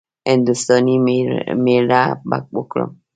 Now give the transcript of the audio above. هـنـدوستانی ميړه به وکړم.